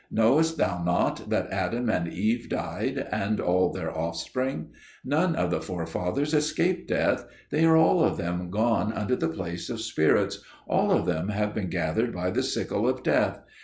Knowest thou not that Adam and Eve died, and all their offspring; none of the forefathers escaped death; they are all of them gone unto the place of spirits, all of them have been gathered by the sickle of death.